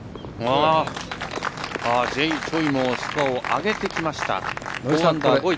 Ｊ．チョイもスコアを上げてきました。